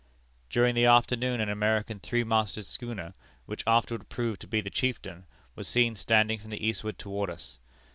"During the afternoon an American three masted schooner, which afterward proved to be the Chieftain, was seen standing from the eastward toward us.